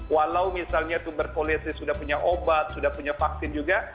walau misalnya tuberkulosi sudah punya obat sudah punya vaksin juga